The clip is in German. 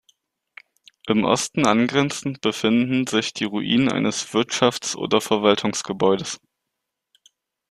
Im Osten angrenzend befinden sich die Ruinen eines Wirtschafts- oder Verwaltungsgebäudes.